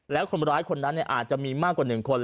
แล้วคนร้ายคนนั้นอาจจะมีมากกว่า๑คน